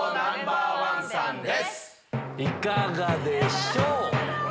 いかがでしょう？